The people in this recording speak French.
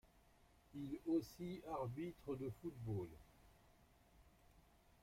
Il aussi arbitre de football.